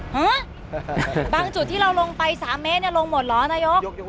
หื้อบางจุดที่เราลงไปสามเมตรลงหมดหรอกนะยก